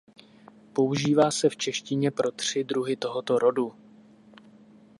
Používá se v češtině pro tři druhy tohoto rodu.